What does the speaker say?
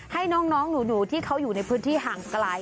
ให้น้องหนูที่เขาอยู่ในพื้นที่ห่างไกล